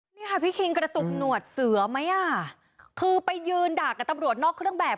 นี่ค่ะพี่คิงกระตุกหนวดเสือไหมอ่ะคือไปยืนด่ากับตำรวจนอกเครื่องแบบ